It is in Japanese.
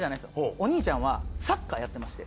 お兄ちゃんはサッカーやってまして。